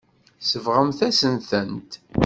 Tsebɣemt-as-tent.